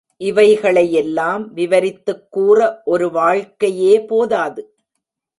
இவைகளை யெல்லாம் விவரித்துக் கூற ஒரு வாழ்க்கையே போதாது.